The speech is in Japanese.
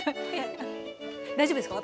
大丈夫ですか？